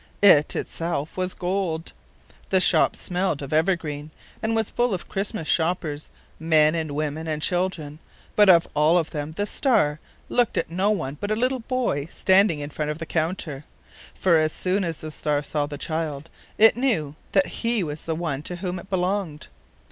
It itself was gold. The shop smelled of evergreen, and was full of Christmas shoppers, men and women and children; but of them all, the star looked at no one but a little boy standing in front of the counter; for as soon as the star saw the child it knew that he was the one to whom it belonged.